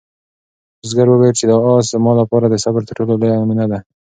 بزګر وویل چې دا آس زما لپاره د صبر تر ټولو لویه نمونه ده.